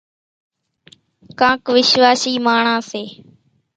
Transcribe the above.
ڪانڪ وِشواشِي ماڻۿان سي۔